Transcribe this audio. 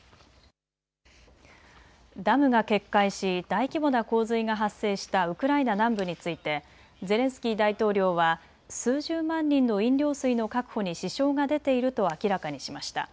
ダムが決壊し大規模な洪水が発生したウクライナ南部についてゼレンスキー大統領は数十万人の飲料水の確保に支障が出ていると明らかにしました。